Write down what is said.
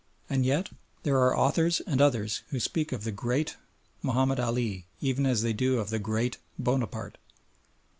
And yet there are authors and others who speak of the "Great" Mahomed Ali even as they do of the "Great" Bonaparte.